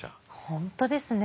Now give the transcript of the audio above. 本当ですね。